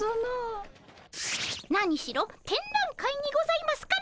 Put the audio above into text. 何しろ展覧会にございますから。